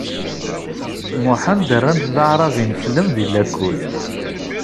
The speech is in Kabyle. Muḥend rran-t d aεṛav-ineslem di lakul.